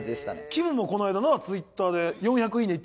きむもこの間なＴｗｉｔｔｅｒで。